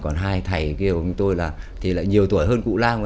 còn hai thầy kêu tôi là thì là nhiều tuổi hơn cụ lam